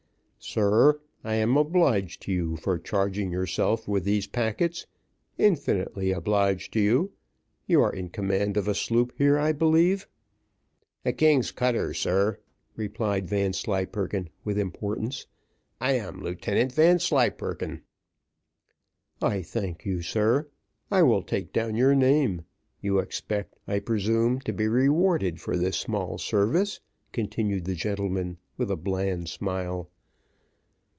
"Sir, I am obliged to you for charging yourself with these packets infinitely obliged to you. You are in command of a sloop here, I believe." "A king's cutter, sir," replied Vanslyperken, with importance; "I am Lieutenant Vanslyperken." "I thank you, sir. I will take down your name. You expect, I presume, to be rewarded for this small service," continued the gentleman, with a bland smile.